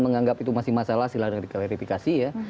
menganggap itu masih masalah silahkan diklarifikasi ya